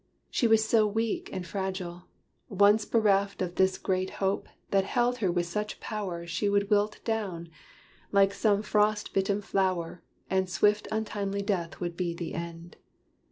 She was so weak and fragile, once bereft Of this great hope, that held her with such power She would wilt down, like some frost bitten flower And swift untimely death would be the end.